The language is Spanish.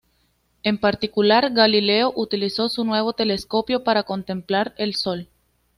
En particular, Galileo utilizó su nuevo telescopio para contemplar el sol.